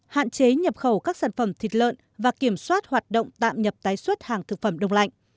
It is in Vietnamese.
hạn chế nhập khẩu các sản phẩm thịt lợn và kiểm soát hoạt động tạm nhập tái xuất hàng thực phẩm đông lạnh